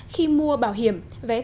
khi mua bảo hiểm